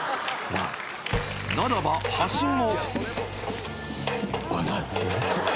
ならば、はしご。